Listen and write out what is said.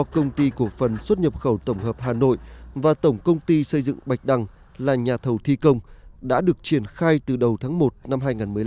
công ty cổ phần xuất nhập khẩu tổng hợp hà nội và tổng công ty xây dựng bạch đăng là nhà thầu thi công đã được triển khai từ đầu tháng một năm hai nghìn một mươi năm